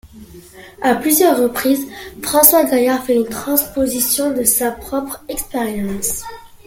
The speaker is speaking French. À plusieurs reprises, François Gaillard fait une transposition de sa propre expérience.